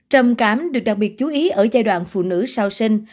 trầm cảm được đặc biệt chú ý ở giai đoạn phụ nữ sau sinh